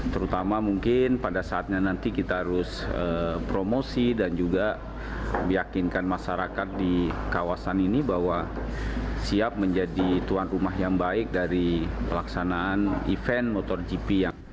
terutama mungkin pada saatnya nanti kita harus promosi dan juga meyakinkan masyarakat di kawasan ini bahwa siap menjadi tuan rumah yang baik dari pelaksanaan event motogp